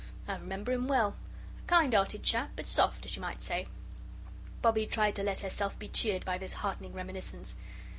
I remember him well. A kind 'earted chap, but soft, as you might say." Bobbie tried to let herself be cheered by this heartening reminiscence.